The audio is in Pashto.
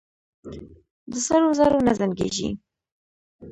د سرو زرو نه زنګېږي.